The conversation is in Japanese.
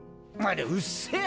うっせぇ！